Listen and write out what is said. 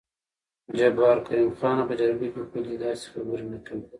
جبار: کريم خانه په جرګه کې خو دې داسې خبرې نه کوې.